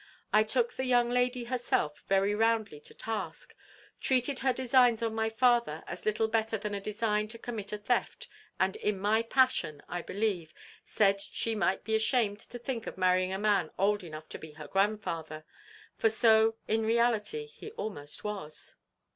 I took the young lady herself very roundly to task, treated her designs on my father as little better than a design to commit a theft, and in my passion, I believe, said she might be ashamed to think of marrying a man old enough to be her grandfather; for so in reality he almost was.